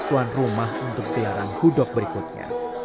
tuan rumah untuk peliharaan hudog berikutnya